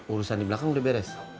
urusan di belakang udah beres